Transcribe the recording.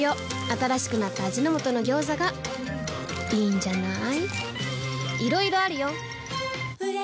新しくなった味の素の「ギョーザ」がいいんじゃない？